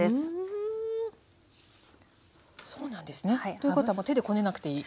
ということは手でこねなくていい。